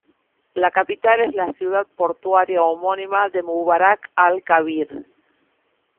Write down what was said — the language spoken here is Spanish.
La capital es la ciudad portuaria homónima de Mubarak al-Kabir.